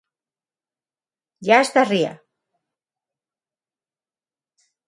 Jazz da Ría.